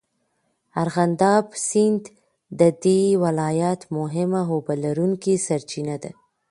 ارغنداب سیند د دې ولایت مهمه اوبهلرونکې سرچینه ده.